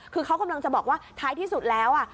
คือเขากำลังจะบอกว่าท้ายที่สุดแล้ว